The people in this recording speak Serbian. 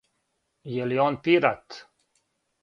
Је ли он пират?